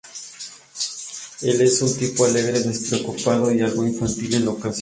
Él es un tipo alegre, despreocupado y algo infantil en ocasiones.